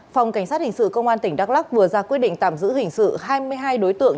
phòng cảnh sát hình sự công an tỉnh đắk lắc vừa ra quyết định tạm giữ hình sự hai mươi hai đối tượng